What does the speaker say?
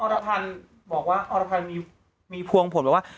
รพันธ์บอกว่าอรพันธ์มีพวงผลแบบว่า